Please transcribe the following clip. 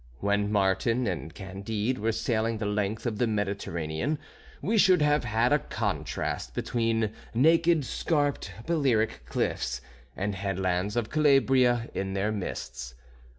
When Martin and Candide were sailing the length of the Mediterranean we should have had a contrast between naked scarped Balearic cliffs and headlands of Calabria in their mists.